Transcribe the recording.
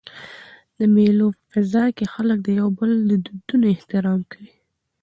د مېلو په فضا کښي خلک د یو بل د دودونو احترام کوي.